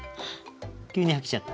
急に飽きちゃった。